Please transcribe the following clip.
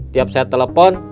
tiap saya telepon